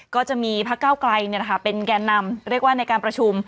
ก็จะมีพักเก้าไกลเป็นแก่นำเรียกว่าในการประชุม